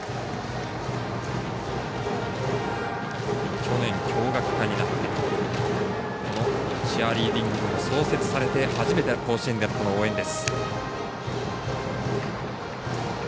去年、共学になってチアリーディング部も創設されて初めての甲子園での応援です。